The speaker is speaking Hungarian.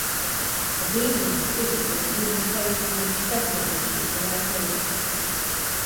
A bénulás fizikai tünetei miatt speciális iskolákba járt.